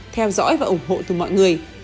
theo dõi và ủng hộ từ mọi người